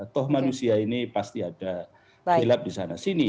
toh manusia ini pasti ada hilap di sana sini